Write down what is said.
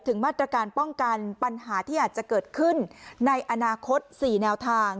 มาตรการป้องกันปัญหาที่อาจจะเกิดขึ้นในอนาคต๔แนวทาง